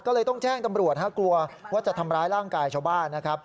ก็เลยต้องแจ้งตำรวจฮะกลัวว่าจะทำร้ายร่างกายชาวบ้านนะครับ